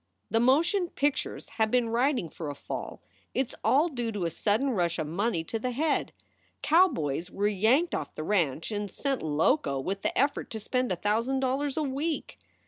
"The motion pictures have been riding for a fall. It s all due to a sudden rush of money to the head. Cowboys were yanked off the ranch and sent loco with the effort to spend a thousand dollars a week.